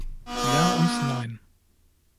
Ja und nein.